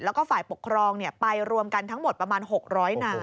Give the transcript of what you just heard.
แล้วก็ฝ่ายปกครองไปรวมกันทั้งหมดประมาณ๖๐๐นาย